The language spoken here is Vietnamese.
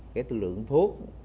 cái lượng thuốc